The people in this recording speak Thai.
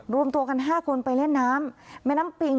รวมตัวกัน๕คนไปเล่นน้ำแม่น้ำปิง